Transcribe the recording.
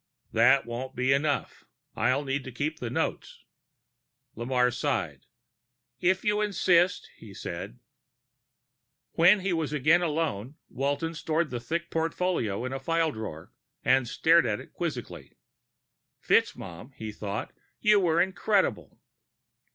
"That won't be enough. I'll need to keep the notes." Lamarre sighed. "If you insist," he said. When he was again alone, Walton stored the thick portfolio in a file drawer and stared at it quizzically. FitzMaugham, he thought, _you were incredible!